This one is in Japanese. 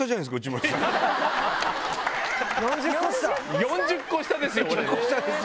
４０個下ですよ！